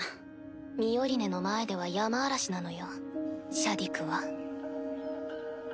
ミオリネの前ではヤマアラシなのよシャディクは。